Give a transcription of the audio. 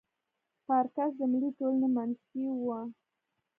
پارکس د ملي ټولنې منشي وه.